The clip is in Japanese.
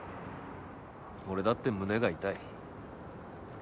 俺だって胸が痛い。